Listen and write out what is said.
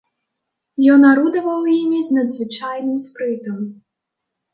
Ён арудаваў імі з надзвычайным спрытам.